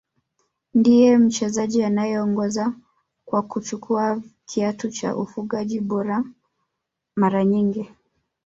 Ndiye mchezaji anayeongoza kwa kuchukua kiatu cha ufungaji bora mara nyingi